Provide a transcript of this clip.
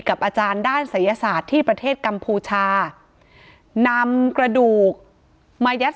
อาจารย์ด้านศัยศาสตร์ที่ประเทศกัมพูชานำกระดูกมายัด